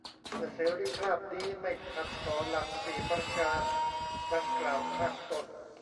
เมื่อเสรีภาพนี้ ไม่ขัดต่อหลักสี่ประการดังกล่าวข้างต้น